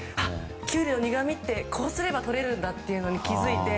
キュウリの苦みってこうすればとれるんだって気づいて。